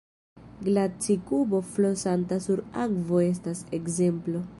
Glaci-kubo flosanta sur akvo estas ekzemplo.